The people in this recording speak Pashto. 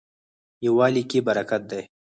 یووالي کې برکت دی